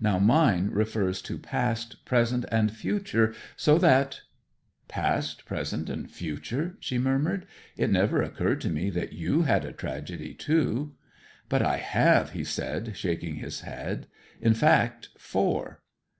Now mine refers to past, present, and future; so that ' 'Past, present, and future!' she murmured. 'It never occurred to me that you had a tragedy, too.' 'But I have!' he said, shaking his head. 'In fact, four.'